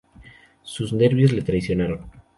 Sus nervios le traicionaron.